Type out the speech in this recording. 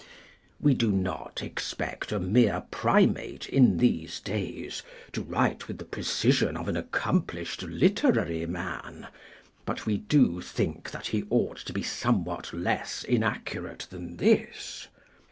We do not expect a mere Primate in these days to write with the precision of an accomplished literary man, but we do think that he ought to be somewhat less inaccurate than this.